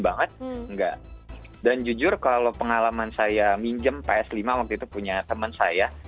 banget enggak dan jujur kalau pengalaman saya minjem ps lima waktu itu punya teman saya